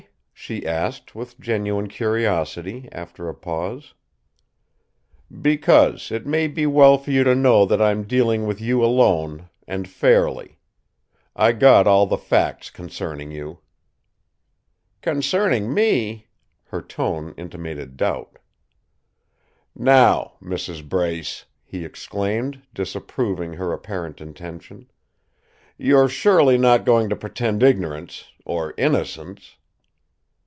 she asked with genuine curiosity, after a pause. "Because it may be well for you to know that I'm dealing with you alone, and fairly. I got all the facts concerning you." "Concerning me?" Her tone intimated doubt. "Now, Mrs. Brace!" he exclaimed, disapproving her apparent intention. "You're surely not going to pretend ignorance or innocence!"